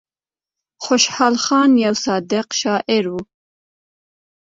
خوشال خان يو صادق شاعر وو ـ